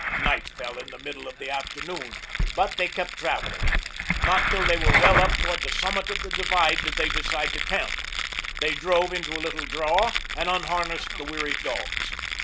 Night fell in the middle of the afternoon, but they kept traveling. Not till they were well up toward the summit of the divide did they decide to camp. They drove into a little draw and unharnessed the weary dogs.